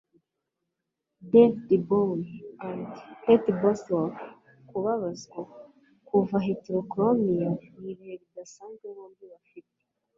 David Bowie & Kate Bosworth Kubabazwa Kuva Heterochromia, Nibihe Bidasanzwe Bombi Bafite